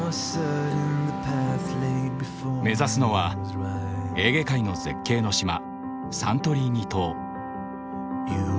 目指すのはエーゲ海の絶景の島サントリーニ島。